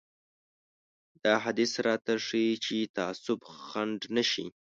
دا حديث راته ښيي چې تعصب خنډ نه شي.